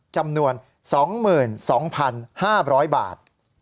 จำนวน๒๒๕๐๐บาท